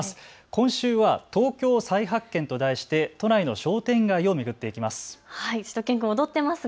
今週は東京再発見と題して東京の商店街を巡っていきます。